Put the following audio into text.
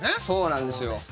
そうなんですよ。